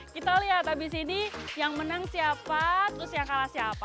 kita lihat abis ini yang menang siapa terus yang kalah siapa